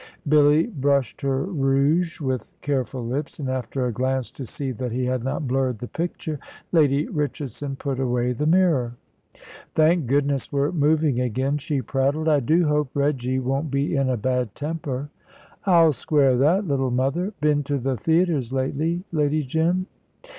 Billy brushed her rouge with careful lips, and after a glance to see that he had not blurred the picture, Lady Richardson put away the mirror. "Thank goodness, we're moving again," she prattled. "I do hope Reggy won't be in a bad temper." "I'll square that, little mother. Been to the theatres lately, Lady Jim?"